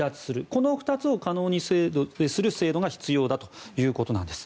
この２つを可能にする制度が必要だということなんです。